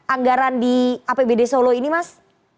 anggaran di apbd solo ini mas